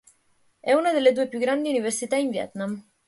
È una delle due più grandi università in Vietnam.